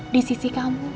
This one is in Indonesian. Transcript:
di sisi kamu